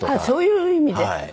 そういう意味で？